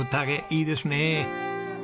いいですね。